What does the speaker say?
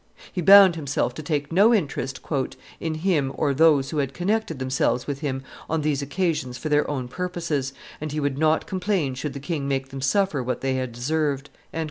He bound himself to take no interest "in him or those who had connected themselves with him on these occasions for their own purposes, and he would not complain should the king make them suffer what they had deserved."